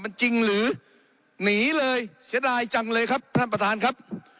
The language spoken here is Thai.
มันจริงหรือหนีเลยเสียดายจังเลยครับท่านประธานครับ